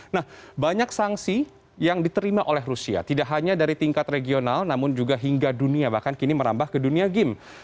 nah banyak sanksi yang diterima oleh rusia tidak hanya dari tingkat regional namun juga hingga dunia bahkan kini merambah ke dunia game